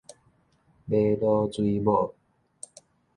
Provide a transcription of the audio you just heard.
瑪瑙水母